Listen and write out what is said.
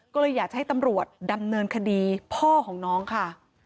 ก็เลยอยากจะให้ตำรวจดำเนินคดีพ่อของน้องค่ะ